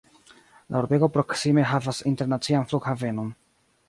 La urbego proksime havas internacian flughavenon.